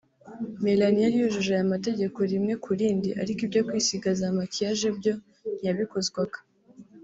Melanie yari yujuje aya mategeko rimwe ku rindi ariko ibyo kwisiga za makiyaje byo ntiyabikozwaga